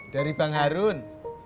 dari bang harun